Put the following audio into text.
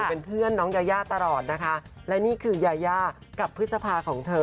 เป็นเพื่อนน้องยายาตลอดนะคะและนี่คือยายากับพฤษภาของเธอ